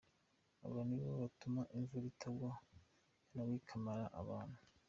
Aba nibo batuma imvura itagwa yanagwa ikamara abantu.